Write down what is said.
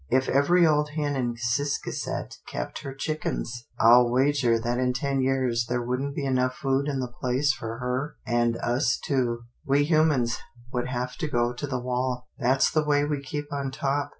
If every old hen in Ciscasset kept her chickens, I'll wager that in ten years there wouldn't be enough food in the place for her and us too. We humans would have to go to the wall. That's the way we keep on top.